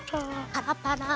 パラパラ。